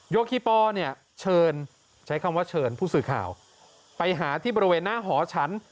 โยคีปอลเนี่ยเชิญใช้คำว่าเชิญผู้สื่อข่าวไปหาที่บริเวณหน้าหอฉัน